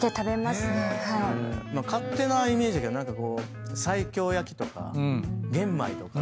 勝手なイメージやけど何かこう西京焼きとか玄米とか。